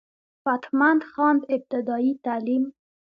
فتح مند خان ابتدائي تعليم